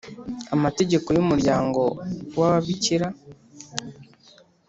amategeko y umuryango w Ababikira